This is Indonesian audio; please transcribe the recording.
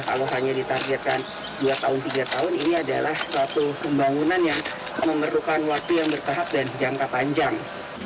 kalau hanya ditargetkan dua tahun tiga tahun ini adalah suatu pembangunan yang memerlukan waktu yang bertahap dan jangka panjang